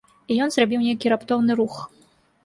І ён зрабіў нейкі раптоўны рух.